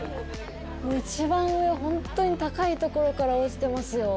一番上、本当に高いところから落ちてますよ。